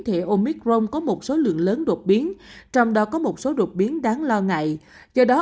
thể omicron có một số lượng lớn đột biến trong đó có một số đột biến đáng lo ngại do đó